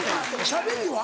しゃべりは？